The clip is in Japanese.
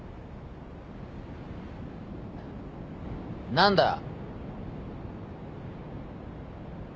何だよ